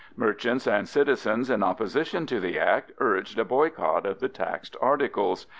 Merchants and citizens in opposition to the act urged a boycott of the taxed articles.